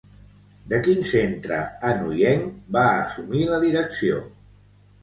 De quin centre anoienc va assumir la direcció?